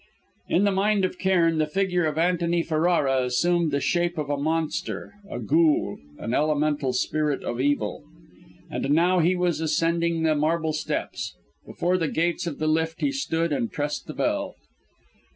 In the mind of Cairn, the figure of Antony Ferrara assumed the shape of a monster, a ghoul, an elemental spirit of evil. And now he was ascending the marble steps. Before the gates of the lift he stood and pressed the bell.